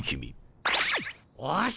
おし！